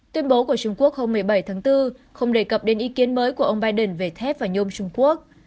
tuyên bố của trung quốc hôm một mươi bảy tháng bốn không đề cập đến ý kiến mới của ông biden về thép và nhôm trung quốc